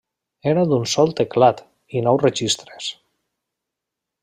Era d'un sol teclat i nou registres.